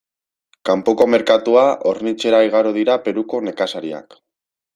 Kanpoko merkatua hornitzera igaro dira Peruko nekazariak.